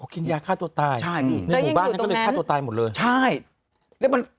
กินยาฆ่าตัวตายในหมู่บ้านนั้นก็เลยฆ่าตัวตายหมดเลยใช่แล้วยังอยู่ตรงนั้น